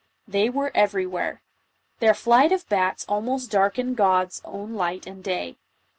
They were everywhere. Their flight of bats al most darkened God's own light and day.